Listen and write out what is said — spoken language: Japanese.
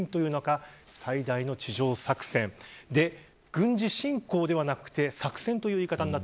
軍事侵攻ではなくて作戦という言い方です。